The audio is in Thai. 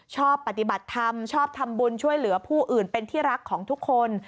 ชอบปฏิบัติธรรมชอบทำบุญช่วยเหลือผู้อื่นเป็นที่รักของทุกคน